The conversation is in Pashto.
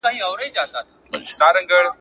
زه پاکوالی نه کوم!